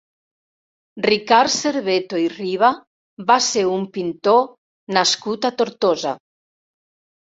Ricard Cerveto i Riba va ser un pintor nascut a Tortosa.